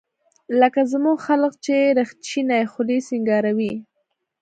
لکه زموږ خلق چې رخچينې خولۍ سينګاروي.